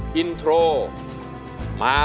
แหละคุณภาพ